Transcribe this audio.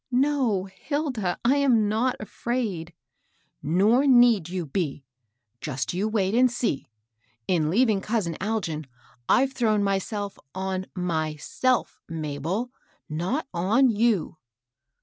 " No, Hilda ; I am not afraid." " Nof need you be. Just you wait and see 1 In leaving cousin Algin, I've thrown myself on myBelf^ Mabel, not on you.